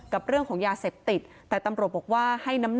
ก็เป็นได้